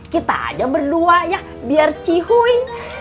kita aja berdua ya biar cihui